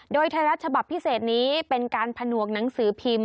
โดยไทยรัฐฉบับพิเศษนี้เป็นการผนวกหนังสือพิมพ์